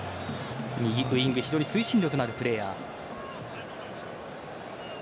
右ウイング非常に推進力のあるプレーヤー。